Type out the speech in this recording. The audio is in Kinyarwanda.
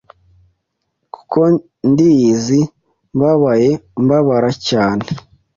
kuko ndiyizi mbabaye mbabara cyane